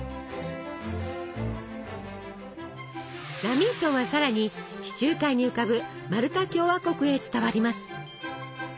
ラミントンはさらに地中海に浮かぶマルタ共和国へ伝わります。